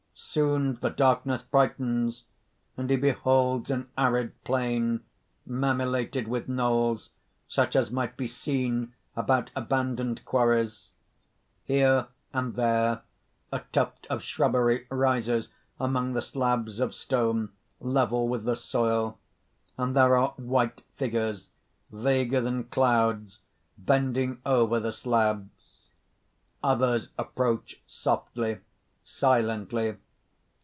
_ _Soon the darkness brightens; and he beholds an arid plain, mamillated with knolls, such as might be seen about abandoned quarries._ [Illustration: ... and he beholds an arid plain, mamillated with knolls] _Here and there a tuft of shrubbery rises among the slabs of stone, level with the soil; and there are white figures, vaguer than clouds, bending over the slabs._ _Others approach, softly, silently.